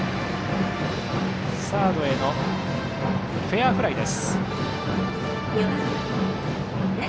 サードへのフェアフライです。